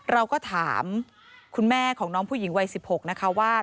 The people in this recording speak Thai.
เราก็ถามคุณแม่ของน้องผู้หญิงวัย๑๖นะคะว่า